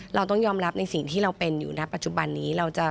เราต้องยอมรับในสิ่งที่เราเป็นอยู่ณปัจจุบันนี้